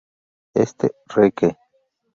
Este: Reque.